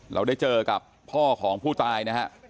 เราได้เจอกับพ่อของผู้ตายนะฮะ